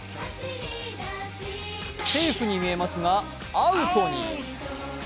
セーフに見えますがアウトに。